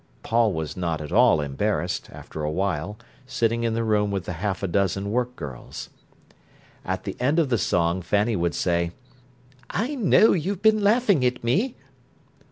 Paul was not at all embarrassed, after a while, sitting in the room with the half a dozen work girls. At the end of the song Fanny would say: "I know you've been laughing at me."